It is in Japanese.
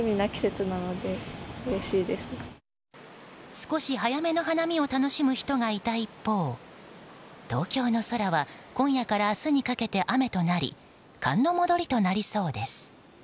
少し早めの花見を楽しむ人がいた一方東京の空は今夜から明日にかけて雨となり寒の戻りとなりそうです。